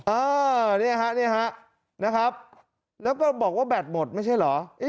เออเนี่ยฮะนี่ฮะนะครับแล้วก็บอกว่าแบตหมดไม่ใช่เหรอ